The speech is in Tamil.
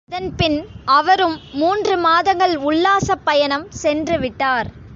அதன்பின் அவரும் மூன்றுமாதங்கள் உல்லாசப் பயணம் சென்று விட்டார்.